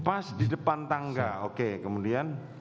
pas di depan tangga oke kemudian